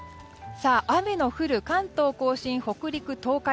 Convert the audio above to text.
雨の降る関東・甲信北陸・東海